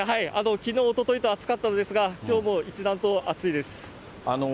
きのう、おとといと暑かったですが、きょうも一段と暑いです。